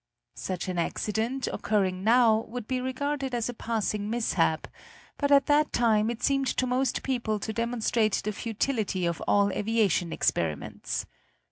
Such an accident, occurring now, would be regarded as a passing mishap; but at that time it seemed to most people to demonstrate the futility of all aviation experiments.